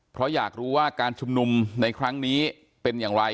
เพราะอยากรู้ว่าการชุมนุมในครั้งนี้เป็นอย่างไร